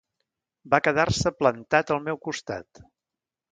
Va quedar-se plantat al meu costat.